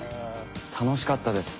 楽しかったです